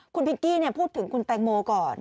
คุณพิงกี้พูดถึงคุณแตงโมก่อน